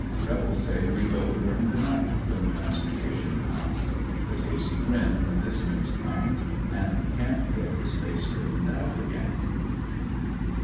— Rebels say we go during the night when transportation comes. Battese grinned when this news come and can't get his face straightened out again.